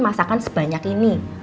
masakan sebanyak ini